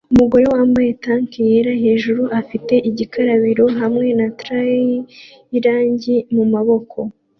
Umugore wambaye tank yera hejuru afite igikarabiro hamwe na tray irangi mumaboko